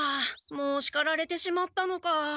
もうしかられてしまったのか。